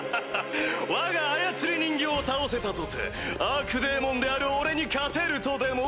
わが操り人形を倒せたとてアークデーモンである俺に勝てるとでも？